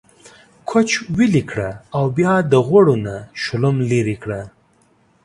کوچ ويلي کړه او بيا د غوړو نه شلوم ليرې کړه۔